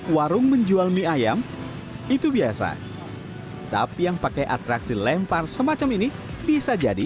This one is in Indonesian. warung menjual mie ayam itu biasa tapi yang pakai atraksi lempar semacam ini bisa jadi